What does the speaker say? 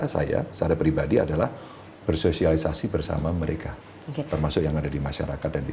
saya secara pribadi adalah bersosialisasi bersama mereka termasuk yang ada di masyarakat dan di